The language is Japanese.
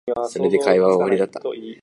それで会話は終わりだった